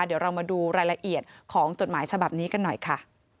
เดี๋ยวเรามาดูรายละเอียดของจดหมายฉบับนี้กันหน่อยค่ะ